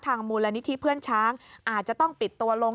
มูลนิธิเพื่อนช้างอาจจะต้องปิดตัวลง